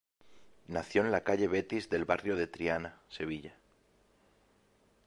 Nació en la calle Betis del barrio de Triana, Sevilla.